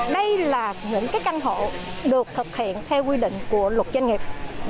đây là những căn hộ được thực hiện theo quy định của luật doanh nghiệp